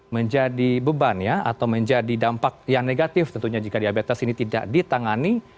menjadi beban ya atau menjadi dampak yang negatif tentunya jika diabetes ini tidak ditangani